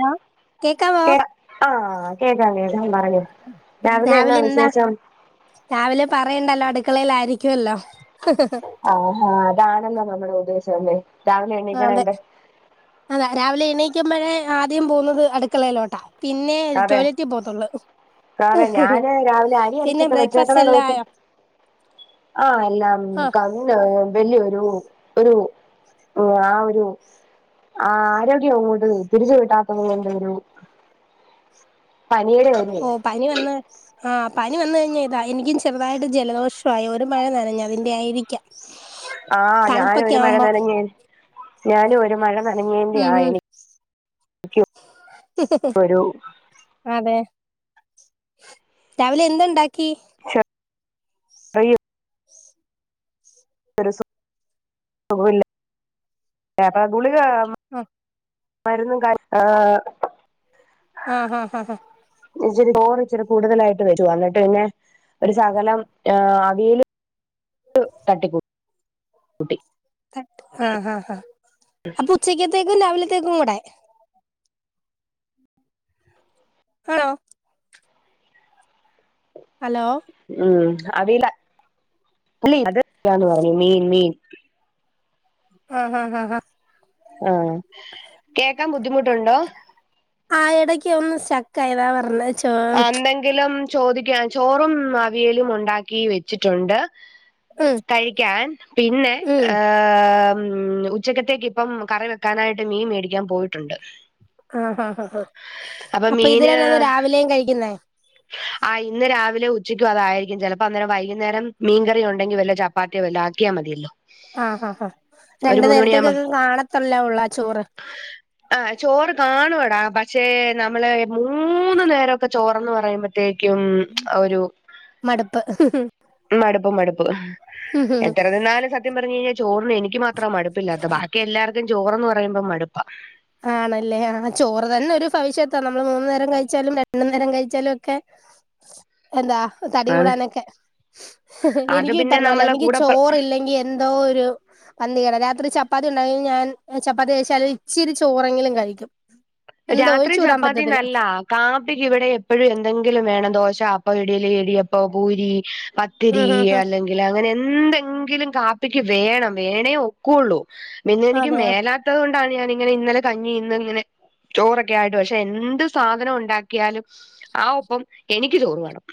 Hello കേക്കാമോ കേ ആഹ് കേക്കാം കേക്കാം പറഞ്ഞോ രാവിലെ എന്നാ വിശേഷം രാവിലെ പറയണ്ടല്ലോ അടുക്കളയില ആയിരിക്കുവല്ലോ ആഹാ അതാണല്ലോ നമ്മുടെ ഉദ്ദേശം തന്നെ രാവിലെ അതെ എണ്ണീക്കണന്റെ അതാ രാവിലെ എണീക്കുമ്പോഴേ ആദ്യം പോകുന്നത് അടുക്കളയിലോട്ടാ പിന്നെ ടോയ്ലറ്റിൽ പോവത്തുള്ളൂ കറ ഞാന് രാവിലെ അരി പിന്നെ അടച്ചിക്കെ വെച്ചേക്കണ ബ്രേക്ക്ഫാസ്റ്റ് എല്ലാം ദിവസം ആയോ ആഹ് എല്ലാം ആഹ് ക പിന്ന വലിയൊരു ഒരു ആ ഒരു ആ ആരോഗ്യംങ്ങട്ട് തിരിച്ചു കിട്ടാത്തത് കൊണ്ട് ഒരു പനിയുടെ ഓരുവെ ഓ പനി വന്ന് ആഹ് പനി വന്ന് കഴിഞ്ഞാൽ ഇതാ എനിക്കും ചെറുതായിട്ട് ജലദോഷമായി ഒരു മഴ നനഞ്ഞ അതിന്റെ ആയിരിക്കാം [unintelligible] ആഹ് ഞാന തണുപ്പൊക്കെ ഒരു മഴ ആവുമ്പം നനഞ്ഞ് ഞാനും ഒരു മഴ നനഞ്ഞേന്റെ ഉം ആ ഹും എനിക്ക് ഹ ഹ ഒരു അതെ രാവിലെ എന്താ ണ്ടാക്കി? [unintelligible] സുഖവില്ല [unintelligible] ഗുളിക [unintelligible] മരുന്നും [unintelligible] ഏഹ് ആഹാ ഹ ഹ ഇച്ചിരി ചോറ് ഇച്ചിരെ കൂടുതലായിട്ട് വരുവാ. എന്നിട്ട് പിന്നെ ഒരു സകലം ഏഹ് അവിയല് തട്ടികൂട്ടി. തട്ട് ആഹ്ഹാ ആഹ്ഹാ. അപ്പൊ ഉച്ചക്കത്തേക്കും രാവിലത്തേക്കും കൂടെ. ആണോ. ഹലോ ഉം അവിയല് അല്ല [unintelligible] പറഞ്ഞു മീൻ മീൻ ആഹ്ഹാ ഹാ. ആഹ്. കേക്കാൻ ബുദ്ധിമുട്ടുണ്ടോ? ആഹ് എടക്ക്യ് ഒന്ന് സ്റ്റക്ക് ആയതാ പർഞ്ഞ ച് എന്തെങ്കിലും ചോദിക്കാ ചോറും അവിയലും ഉണ്ടാക്കി വെച്ചിട്ടുണ്ട്. ഉം കഴിക്ക്യാൻ. പിന്നെ, ഉം ഏഹ് ഏഹ് മ്മ് ഉച്ചക്കത്തേക്ക് ഇപ്പം കറി വെക്കാനായിട്ട് മീൻ മേടിക്കാൻ പോയിട്ടുണ്ട്. ആഹ്ഹാ ഹാ ഹാ. അപ്പൊ ഇത്‌ തന്നെ ഇന്ന് രാവിലെയും കഴിക്കുന്നേ. ആഹ് ഇന്ന് രാവിലെ ഉച്ചക്കും അതായിരിക്കും ചിലപ്പം അന്നേരം വൈകുന്നേരം മീൻ കറി ഉണ്ടെങ്കി വല്ല ചപ്പാത്തിയോ വല്ലോ ആക്കിയാ മതിയല്ലോ. ആഹ്ഹാ ഹാ ഹാ. ഒരു രണ്ടു മൂന്ന് മണിയാകുമ്പോ നേരത്തേക്കൊക്കെ കാണത്തല്ലേ ഒള്ളാ ചോറ്. ആഹ് ചോറ് കാണുവെടാ പക്ഷേ നമ്മള് മൂന്നു നേരൊക്കെ ചോറെന്ന് പറയുമ്പഴ് ത്തേക്കും ഒരു മടുപ്പ് മടുപ്പ് മടുപ്പ്. എത്ര തിന്നാലും സ ത്യം പറഞ്ഞ് കഴിഞ്ഞാ ചോറിന് എനിക്ക് മാത്രാ മടുപ്പില്ലാത്തത്. ബാക്കി എല്ലാർക്കും ചോറെന്ന് പറയുമ്പം മടുപ്പാ. ആണല്ലേ. ആഹ് ചോറ് തന്നെ ഒരു ഭവിഷ്യത്താ നമ്മൾ മൂന്നു നേരം കഴിച്ചാലും രണ്ടു നേരം കഴിച്ചാലും ഒക്കെ. എന്താ തടി ആണ് കൂടാനൊക്കെ. അത് എനിക്ക് ഈ പിന്നെ പറഞ്ഞ പോലെ നമ്മളെ എനിക്ക് കൂടെ പ്ര ചോറില്ലെങ്കി എന്തോ ഒരു പന്തികേടാ. രാത്രി ചപ്പാത്തി ഉണ്ടെങ്കിലും ഞാൻ ഞാൻ ചപ്പാത്തി കഴിച്ചാലും ഇച്ചിരി ചോറെങ്കിലും കഴിക്കും. എന്തോ രാത്രി ഒഴിച്ചു കൂടാൻ ചപ്പാത്തി പറ്റത്തില്ല നല്ലാ. കാപ്പിക്ക് ഇവടെ എപ്പഴും എന്തെങ്കിലും വേണം. ദോശ, അപ്പം, ഇടിലി, ഇടിയപ്പം, പൂരി, പത്തിരി ഉം ഉം അല്ലെ ങ്കില്. അങ്ങനെ എന്തെങ്കിലും കാപ്പിക്ക് വേണം വേണേ ഒക്കുള്ളൂ. പിന്നെ എനിക്ക് അതെയോ മേലാ ത്തത് കൊണ്ടാണ് ഞാനിങ്ങനെ ഇന്നലെ കഞ്ഞി ഇന്ന് ങ്ങനെ ചോറൊക്കെ ആയിട്ടും. പക്ഷെ എന്ത് സാധനം ഉണ്ടാക്കിയാലും ആ ഒപ്പം എനിക്ക് ചോറ് വേണം.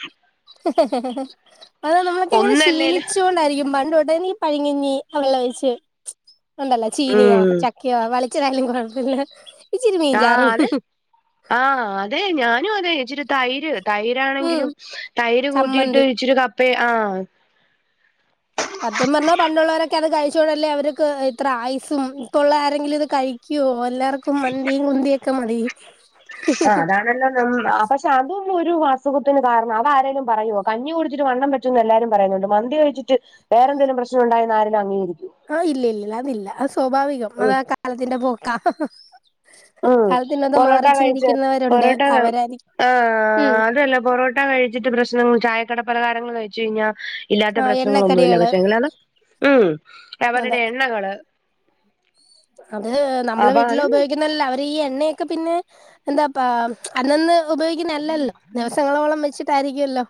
അതെ. നമ്മളൊക്കെ ഇങ്ങനെ ഒന്നല്ലേല് ശീലിച്ചോണ്ടായിരിക്കും പണ്ട് തൊട്ടേ പഴങ്കഞ്ഞി വെള്ളം ഒഴിച് ഉണ്ടല്ലോ ചീനിയോ ഉം ച ക്ക്യ വളിച്ചതായാലും കുഴപ്പല്ല. ആഹ് അത് ആഹ് അതെ ഞാനു അതെ ഇച്ചിരി തൈര് തൈ ഉം രാണെങ്കിലും തൈര് കൂട്ടിയിട്ട് ചമ്മന്തി ഇച്ചിരു കപ്പേ ആഹ് സത്യം പറഞ്ഞാ പണ്ടുള്ളവരൊക്കെ അത് കഴിച്ചോണ്ടല്ലേ അവർക്ക് ഇത്ര ആയുസും ഇപ്പൊ ഉള്ള ആരെങ്കിലും ഇത് കഴി ക്ക്യോ. എല്ലാർക്കും മന്തിയും കുന്തിയൊക്കെ മതി. ആഹ് അതാണല്ലോ നം അ പക്ഷെ അതൊന്നും ഒരു അസുഖത്തിന് കാരണം അതാരേലും പറയുവൊ കഞ്ഞി കുടിച്ചിട്ട് വണ്ണം വെച്ചെന്ന് എല്ലാരും പറയുന്നുണ്ട് മന്തി കഴിച്ചിട്ട് വേറെ എന്തേലും പ്രശ്നം ഉണ്ടായെന്ന് ആരേലും അംഗീകരിക്കുവൊ ആഹ് ഇല്ലില്ലില്ലാ അതില്ല അത് സ്വാഭാവികം അതാ കാലത്തിന്റെ പൊക്കാ ഉം പൊറോട്ട കഴിച്ച് ചിന്തിക്കുന്നവരുണ്ട് പൊറോട്ട അവരായിരിക്കും ഉം ആഹ് അതല്ല പൊറോ ട്ട കഴിച്ചിട്ട് പ്രശ്നം ചായക്കടപലഹാരങ്ങൾ കഴിച്ച്ഴ്ഞ്ഞാ ഇല്ലാത്ത ആ പ്രശ്നങ്ങളൊന്നുഇല്ല എണ്ണക്കടികള് പക്ഷെ എങ്ങലാണ് ഉം അതെ അവരുടെ എണ്ണകള് അത് നമ്മളെ വീട്ടില് അപാനം ഉപയോഗിക്കുന്നല്ല അവരി എണ്ണയൊക്കെ പിന്നെ എന്താപ്പ അന്നാന്ന് ഉപയോഗിക്കുന്ന അല്ലല്ലോ ദിവസങ്ങളോളം വെച്ചിട്ടാരിക്കുല്ലോ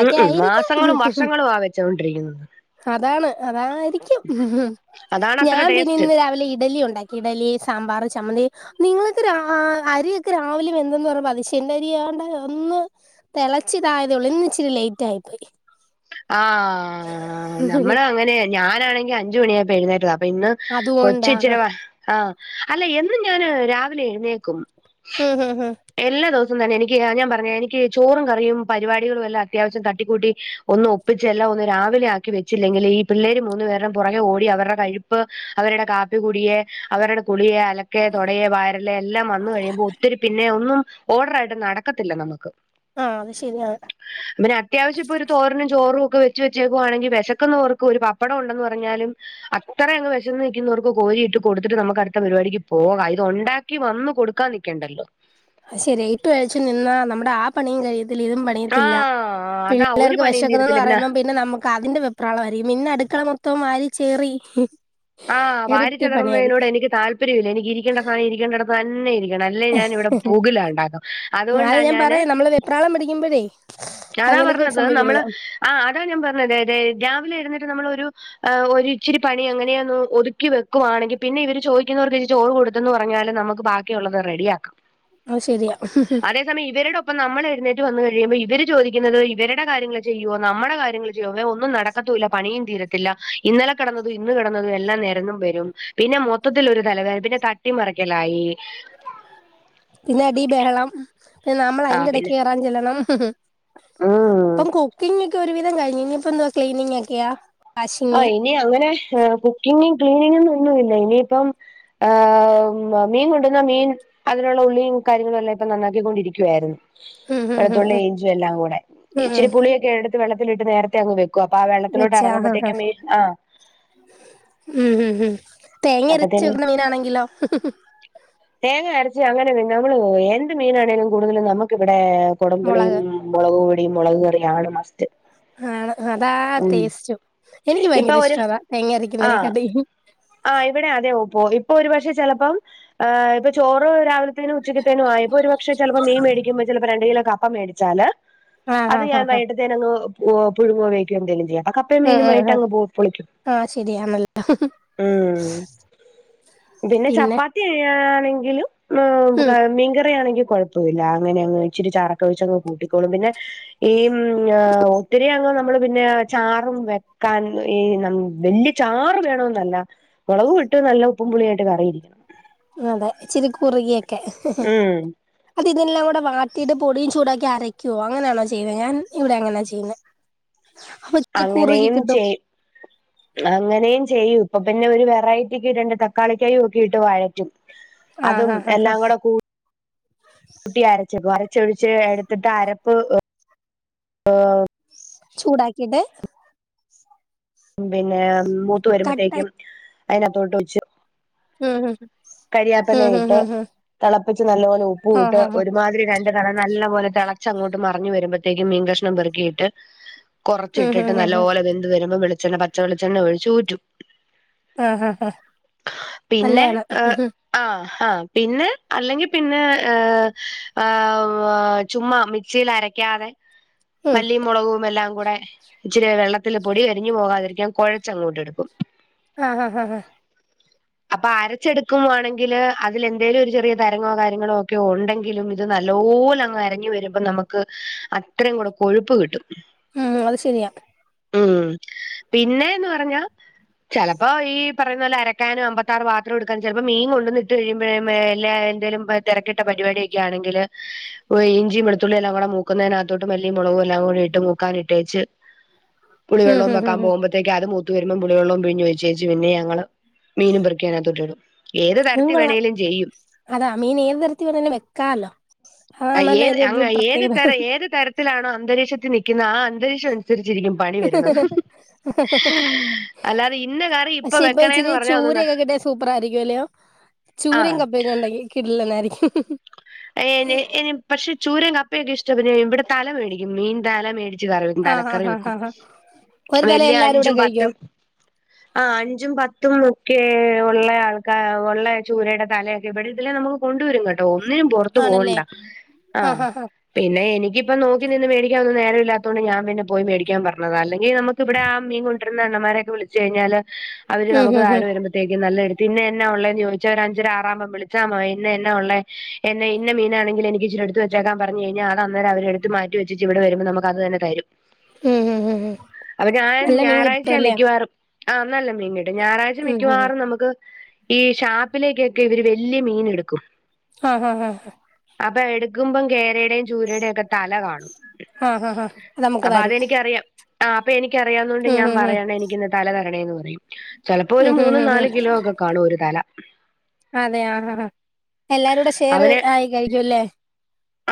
ഉം ഉം മാസങ്ങളും വർഷങ്ങളും ആ വെച്ചോണ്ടിരിക്കുന്നത് അതാണ് അതാരിക്കും അതാണ് അത്ര ഞാൻ പിന്നെ ടേസ്റ്റ് ഇന്ന് രാവിലെ ഇഡലി ഒണ്ടാക്കി ഇഡലി, സാമ്പാർ, ചമ്മന്തി, നിങ്ങളൊക്കെ രാ അരിയൊക്കെ രാവിലെ വെന്തെന്ന് പറമ്പോ അതിശേ എറ്റാഅരി ആണ്ട് ഒന്ന് തെളച്ചി ഇതായതേ ഒള്ളൂ ഇന്ന് ഇച്ചിരി ലേറ്റ് ആയി പോയി ആഹ് നമ്മള അങ്ങനെയ ഞാനാണെങ്കി അഞ്ചുമണി അയപ്പ എഴ്ന്നേറ്റാത അപ്പ ഇന്ന് കൊച്ച് അതുകൊണ്ടാ ഇച്ചിരവ ആഹ് അല്ല എന്നും ഞാന് രാവിലെ എഴുന്നേക്കും ഹു ഹു ഹും എല്ലാ ദിവസം തന്നെ എനിക്ക് ആഹ് ഞാൻ പറഞ്ഞെ എനിക്ക് ചോറും കറിയും പരിപാടികളും എല്ലാം അത്യാവശ്യം തട്ടിക്കൂട്ടി ഒന്ന് ഒപ്പിച്ച് എല്ലാം ഒന്ന് രാവിലെ ആക്കി വെച്ചില്ലെങ്കിൽ ഈ പിള്ളേര് മൂന്ന് പേർടെ പുറകെ ഓടി അവർടെ കഴി പ്പ് അവരുടെ കാപ്പി കുടിയെ അവരുടെ കുളിയെ, അലക്കെ, തൊടയെ, വാരലെ, എല്ലാം വന്ന് കഴിമ്പോ ഒത്തിരി പിന്നെ ഒന്നും ഓഡർയിട്ട് നടക്കത്തില്ല നമുക്ക് ആഹ് അത് ശരിയാണ് പിന്നെ അത്യാവശ്യഇപ്പോ ഒരു ചോറിനും ചോറും ഒക്കെ വെച്ച് വെച്ചേക്കുവാണെങ്കി വിശക്കുന്നവർക്ക് ഒരു പപ്പടം ഉണ്ടെന്ന് പറഞ്ഞാലും അത്ര അങ്ങ് വിശന്ന് നിക്കുന്നവർക്ക് കോരി ഇട്ട് കൊടുത്തിട്ട് നമുക്ക് അടുത്ത പരിപാടിക്ക് പോകാം ഇത്ഓണ്ടാ ക്കി വന്ന് കൊടുക്കാൻ നിക്കണ്ടല്ലോ അത് ശരി ഇട്ട്കഴിച്ച് നിന്നാ നമ്മുടെ ആ പണിയും കഴിയത്തില്ല ഇതും പ ണിയത്തില്ല ആഹ് അതാ ഒരു പിള്ളേർക്ക് പണിയും വിശക്കുന്നെന്ന് തീരത്തില്ല പറമ്പം പിന്നെ നമു ക്കാതിന്റെ വെപ്രാളം അരിക്കും പിന്നെ അടുക്കള മൊത്തം വാരി ചേറി ആഹ് ഇരട്ടി വാരിചെതാർന്നയിനോട് പണിയായിരിക്കും എനിക്ക് താല്പര്യം ഇല്ല എനിക്ക് ഇരിക്കേണ്ട സാനം ഇരിക്കേണ്ടിടത്ത് തന്നെ ഇരി ക്കണം അല്ലെ ഞാന് ഇവിടെ പൂകിലാ ഉണ്ടകും അത് അതുകൊണ്ടാണ് ഞാൻ ഞാന് പറയാ നമ്മള് വെപ്രാളം പിടിക്കുമ്പഴേ അതാ അങ്ങനെയൊക്കെ പറഞ്ഞത് നമ്മള് സംഭവിക്കരുത് ആഹ് അതാ ഞാൻ പറഞ്ഞത് തെ രാവിലെ എഴുന്നേറ്റ് നമ്മൾ ഒരു ആഹ് ഒരു ഇച്ചിരി പണി എങ്ങനെയ ഒന്ന് ഒതുക്കി വെക്കുവാണെങ്കി പിന്നെ ഇവര് ചോയിക്കുന്നോർക്ക് ഇച്ചിരി ചോറ് കൊടു ത്തെന്ന് പറഞ്ഞാലും നമുക്ക് ബാക്കിയുള്ളത് റെഡിയാക്കാം അത് ശരിയാ സമയം ഇവര്ടൊപ്പം നമ്മൾ എഴുന്നേറ്റ് വന്നു കഴിമ്പോ ഇവര് ചോദിക്കുന്നത് ഇവര്ടെ കാര്യങ്ങൾ ചെയ്യുവോ നമ്മുടെ കാര്യങ്ങൾ ചെയ്യോവേ ഒന്നും നടക്കത്തൂല്ല പണിയും തീരത്തില്ല ഇന്നലെ കിടന്നതും ഇന്ന് കിടന്നതും എല്ലാം നേരന്നും വരും പിന്നെ മൊത്തത്തിൽ ഒരു തലവേ പിന്നെ ത ട്ടിമറിക്കലായി പിന്നെ അടി ബേഹളം ഉം പിന്നെ നമ്മൾ ആ അയിന്റെ പിന്നെ ഇടക്ക് കെറാൻ ചെല്ലണം ഉം അപ്പം കുക്കിങ്ങക്കെ ഒരു വിതം കഴിഞ് ഇനിപ്പൊ എന്ത്‌വ ക്ലീനിങ് ഒക്കെയ ആ വാഷിംഗ് ഇനി അങ്ങനെ ഏഹ് കുക്കിങ്ങ് ക്ലീനിങ്ങന്ന് ഒന്നുമില്ല ഇനിയിപ്പം ആഹ് വ് മാ മീൻ കൊണ്ടുന്ന മീൻ അതിനുള്ള ഉള്ളീം കാര്യങ്ങളും എല്ലാം ഇപ്പ നന്നാക്കിക്കൊണ്ടിരിക്കുവരുന്നു ഉം ഉം ഉം വെള്ത്തുള്ളി ഉം ഇഞ്ചി എല്ലാം കൂടെ ഉം ഉം ഇച്ചിരി പുളിയൊക്കെ എടുത്ത് വെള്ളത്തിലിട്ട് നേരത്തെ അങ്ങ് വെ അപ്പൊ ആ വള്ളത്തിലോട്ട് വെച്ചാ ആ ആ എറങ്ങുമ്പത്തേക്കും വീഴും ആഹ് ഉം ഉം ഉം തേങ്ങ അരച്ച് അപ്പത്തേന് വെക്കുന്ന മീനാണെങ്കിലോ? തേങ്ങ അരച്ച് അങ്ങനെ തിന്നോ നമ്മള് എന്ത് മീനാണേലും കൂടുതലും നമുക്ക് വിടെ കൊടമ്പുളിയും മുളക് മുളക് കൂടി മുളക് കറിയാണ് മസ്റ്റ് ആണ് അതാ ഉം ടേസ്റ്റും എനിക്ക് ഇപ്പൊ ഭയങ്കര ഒരു ഇഷ്ടം അതാ തേങ്ങ ആഹ് അരക്കുന്നതിനേക്കാട്ടി ആഹ് ഇവിടെ അതെ പ്പോവു ഇപ്പൊ ഒരു പക്ഷെ ചെലപ്പം ഏഹ് ഇപ്പൊ ചോറ് രാവിലെ ത്തേനും ഉച്ചക്കത്തേനും ആയപ്പോ ഒരു പക്ഷെ ചെലപ്പോ മീ മേടിക്കുമ്പോ ചെലപ്പോ രണ്ട് കിലോ കപ്പ മേടിച്ചാല് ആഹ് അത് ആഹ് ഞാൻ ആഹ് ആഹ് വൈകിട്ടത്തേനങ്ങ് പുഴുങ്ങോ, വോഗിക്കോ എന്തേലും ചെയ്യാം കപ്പയും ഉം മീനുമായിട്ട് ഉം അങ് പോവും പൊളിക്കും ആഹ് ശരിയാന്നല്ലോ ഉം പിന്നെ ചപ്പാത്തി ആണെങ്കിലും ഉം മീൻകറിയാണെങ്കി കൊഴപ്പവില്ല അങ്ങനെ അങ്ങ് ഇച്ചിരി ചാറൊക്കെ വെച്ചങ്ങ് കൂട്ടിക്കോളും പിന്നെ ഈ മ്മ് ങ്ങാ ഒത്തിരിയങ്ങ് നമ്മള് പിന്നെ ചാറും വെക്കാൻ ഈ വല്യ ചാറ് വേണോന്നല്ല മൊളകും ഇട്ട് നല്ല ഉപ്പും പുളിയായിട്ട് കറിയിരിക്കണം അതെ ഇച്ചിരി കുറുകിയൊക്കെ ഉം അത് ഇതിനെല്ലാം കൂടെ വാട്ടിട്ട് പൊടിയും ചൂടാക്കി അരക്കുവോ? അങ്ങനെയണോ ചെയ്തത് ഞാൻ ഇവിടെ അങ്ങനെയാ ചെയ്യുന്നത് അപ്പ ഇച്ചിരി കുറുകികിട്ടും അങ്ങനേയും ചെയ്യും ഇപ്പൊ പിന്നെ ഒരു വെറൈറ്റിക്ക് രണ്ട് തക്കാളിക്കായും ഒക്കെ ഇട്ട് വഴറ്റും ആഹ് അതും ആഹ് ആഹ് ആഹ് എല്ലാം കൂടെ കൂട്ടി ട്ടി അരച്ച് വെക്കും അരച്ചൊഴിച്ച് എടുത്തിട്ട് അരപ്പ് ഏമ്മ് ചൂടാക്കിയിട്ട് പിന്നെ മൂത്ത് കട്ട വരുമ്പത്തേക്കും അതിനകത്തോട്ട് ഒഴിച്ച് ഉംഹ് ഉം കരിയാപ്പെല ഉം ഉം ഇട്ട് ഉം ഉം തെളപ്പിച്ച് നല്ല പോലെ ഉപ്പും ഇട്ട് ആഹ് ആഹ് ഒരുമാതിരി രണ്ട് തെള പോലെ തെളച്ചങ്ങോട്ട് മറിഞ് വരുമ്പത്തേക്കും മീൻ കഷ്ണം പെറുക്കിയിട്ട് ഉം ഉം കൊറച്ചിട്ടിട്ട് നല്ല ഉം ഉം പോലെ വെന്ത് വരുമ്പോ വെളിച്ചണ പച്ച വെളിച്ചെണ്ണ ഒഴിച്ച് ഊറ്റും ആഹ് ആഹ പിന്നെ നല്ലയാണ് ഉം ആഹ് ആഹ് പിന്നെ അല്ലെങ്കി പിന്നെ് ആ ചുമ്മാ മിക്സിയിൽ അരക്കാതെ ഉം മല്ലിയും മൊളകും എല്ലാം കൂടെ ഇച്ചിരി വെള്ളത്തില് പൊടി കരിഞ്ഞു പോകാതിരിക്കാൻ കൊഴച്ചങ്ങോട്ട് എടുക്കും ആഹ് ആഹാ ഹാ ഹാ അപ്പൊ അര അരച്ചെടുക്കുവാണെങ്കി അതിലെന്തേലും ഒരു ചെറിയ തരങ്ങോ കാര്യങ്ങളോ ഒക്കെ ഒണ്ടെങ്കിലും ഇത് നല്ലോലങ് അരഞ്ഞ് വരും മ്പം നമുക്ക് അത്രയും കൂടെ കൊഴുപ്പ് കിട്ടും ഉം അത് ശരിയാ ഉം പിന്നേന്ന് പറഞ്ഞാ ചെലപ്പോ ഈ പറയുന്ന പോലെ അരക്കാനും അമ്പത്താറ് വാ പാത്രം എടുക്കാൻ ചെലപ്പോ മീൻ കൊണ്ടുവന്ന് ഇട്ട് കഴിയുമ്പോ എല്ലാ എന്തേലും തെരക്കിട്ട പരിപാടിയൊക്കെ ആണെങ്കില് ഇഞ്ചിയും വെളത്തുള്ളി എല്ലാം കൂടെ മൂക്കുന്നേനാത്തോട്ട് മല്ലിയും മുളകും എല്ലാം കൂടി ഇട്ട് മൂക്കാനിട്ടേച്ച് പുളിവെള്ളം ഉം ഉം വെക്കാ ഉം ഉം പോകുമ്പഴത്തേക്ക് അത് മൂത്ത് വരുമ്പോ പുളിവെള്ളവും പിഴിഞ് ഒഴിച്ചേച്ച് പിന്നെ ഞങ്ങള് മീനും പെറിക്കി അതിനാത്തേക്കിട്ടും ട്ടിടും ഏത് അതും തരത്തി കൊള്ളാം വേണേലും ചെയ്യും അതാ മീൻ ഏത് തരത്തി വേണേലും വെക്കാലോ? ആഹ് ഏത് അങ്ങനെ ഏത് തര ഏത് തരത്തിലാണോ അന്തരീക്ഷത്തി നിക്കുന്നെ ആ അന്തരീക്ഷം അനുസരിച്ചിരിക്കും പണി വരുന്നത് പ്രത്യേകത അല്ലാതെ ഇന്ന കറി ഇപ്പൊ പക്ഷെ ഇച്ചിരി വെക്കണേന്ന് പറഞ്ഞ ഒന്നും ന ചൂരയൊക്കെ കിട്ടിയ സൂപ്പർ ആയിരിക്കും അല്ലെയോ. ആ ചൂരയും കപ്പയൊക്കെണ്ടെങ്കി കിടിലനായിരിക്കും. പക്ഷെ ചൂരെ കപ്പയൊക്കെ ഇഷ്ടത്തിന് ഇവിടെ തല മേടിക്കും മീൻ തല മേടിക്കും. ച്ച് കറിവെക്കും. ആഹ് തലക്കറി ആഹ് ആഹ് വെക്കും ആഹ് ഒരു തല വലിയ എല്ലാരും കൂടെ അഞ്ചും കഴിക്കോ പത്തും. ആ അഞ്ചും പത്തും ഒക്കെ ഒള്ള ആൾക്കാർ ഒള്ള ചൂരയുടെ തലയൊക്കെ ഇവിടെ ഇതിലെ നമുക്ക്. കൊണ്ടുവരും കേട്ടോ ഒന്നിനും പുറത്തു ആണല്ലേ പോവണ്ട ആഹ്. പിന്നെ എനിക്ക്പ്പ നോക്കി നിന്ന് മേടിക്കാ ഒന്നും നേരഇല്ലാത്തോണ്ട് ഞാൻ പിന്നെ പോയി മേടിക്കാൻ പറഞ്ഞതാ അല്ലങ്കി നമുക്ക്. ഇവിടെ ആ മീൻ കൊണ്ടരുന്ന അണ്ണമ്മാരെക്കെ വിളിച്ചു കഴിഞ്ഞാല് അവര് ഉം നമുക്ക് ഉം താഴെ വരുമ്പും. ത്തേക്ക് നല്ല എടുത്തരും. പിന്നെ എന്നാഒള്ളേ ചോദിച്ച് അഞ്ചര ആറാകുമ്പം വിളിച്ചാ മതി ഇന്ന എന്നാ ഒള്ളേ. എന്നെ ഇന്ന മീനാണെങ്കില് എനിക്ക് ച്ചിരിടുത്തു വെച്ചേക്കാൻ പറഞ്ഞ് കഴിഞ്ഞാ അത് അന്നേരം അവരെടുത്ത് മാറ്റിവെ തിരിച്ച് ഇവിടെ വരുമ്പോ നമുക്ക് അത് തന്നെ തരും. ഉം ഉം ഉം ഉം ഉം അപ്പൊ ഞാൻ നല്ല മീൻ ഞായറാഴ്ച കിട്ടുവല്ലേ മിക്കവാറും. ആഹ് നല്ല മീൻകിട്ടും. ഞായറാഴ്ച ഉം ഉം ഉം മിക്കുവാറും നമുക്ക്. ഈ ഷാപ്പിലേക്കൊക്കെ ഇവര് വലിയ മീൻ എടുക്കും. ആഹ്, ഹാ, ഹാ. അപ്പൊ എടുക്കുമ്പോം കേരയുടെയും ചൂരയുടെക്കെ. തല കാണും ആഹ് ആഹ് ആഹ് അത് നമുക്ക് അപ്പ തരും അതെനിക്കറിയാം. ആ അപ്പൊ എനിക്കറിയാവുന്നോണ്ട് ഉം ഞാൻ ഉം ഉം പറയാണ് എനിക്ക്ന്ന് തലതരണേന്ന് പറയും. ചെലപ്പോ ഒരു ഉം മൂന്ന് ഉം ഉം ഉം നാല് കിലോക്കെ കാണും ഒരു തല. അതെ ആഹ് ഹ, ഹ എല്ലാരുടെ ഷെയർ ആയി കഴിക്കുംല്ലേ.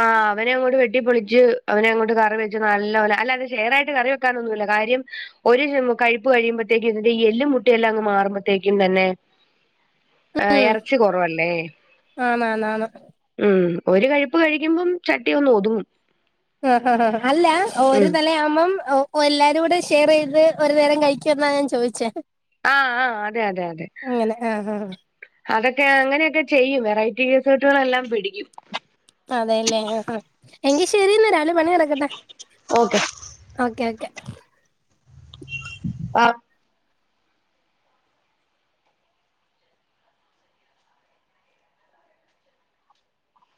ആഹ് അവനെ അങ്ങോട്ട് വെട്ടിപ്പൊളിച്ച് അവനെ അങ്ങോട്ട് കറി വെച്ച് നല്ല പോലെ അല്ല അത് ഷെയറായിട്ട് കറി വെക്കാനൊന്നുല്ല കാര്യം. ഒരു കഴിപ്പ് കഴിയ്മ്പഴ്ത്തേക്കും ഇതിന്റെ ഈ എല്ലും മുട്ടെയും എല്ലാം അങ്ങ് മാറുമ്പഴത്തേക്കും തന്നെ. ഏഹ് എറച്ചി കുറവല്ലേ. ആന്ന് ആന്ന് ആന്ന് ഉം ഒരു കഴിപ്പ് കഴിക്കുമ്പം ചട്ടിയൊന്ന് ഒതുങ്ങും. അല്ല ഒരു ഉം തലയാവുമ്പം. ഓഹ് എല്ലാരുടെ ഷെയറേയ്ത് ഒരു നേരം കഴിക്കോന്നാ ഞാൻ ചോദിച്ചേ. ആഹ്, ആഹ് അതെ, അതെ, അതെ. അങ്ങനെ ആഹ് ആഹ് അതൊക്കെ അങ്ങനെയൊക്കെ ചെയ്യും വെറൈറ്റി റിസേർട്ടുകളെല്ലാം പിടിക്കും. അതെയല്ലേ ആഹ് എങ്കി ശരിയന്ന രാവിലെ പണി നടക്കട്ടെ. Okay okay, okay. ആഹ്